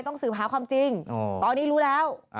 สืบหาความจริงตอนนี้รู้แล้ว